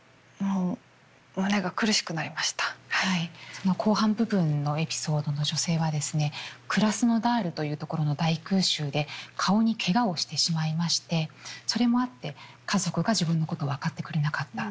その後半部分のエピソードの女性はですねクラスノダールという所の大空襲で顔にけがをしてしまいましてそれもあって家族が自分のことを分かってくれなかった。